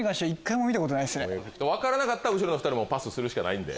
分からなかったら後ろの２人はパスするしかないんで。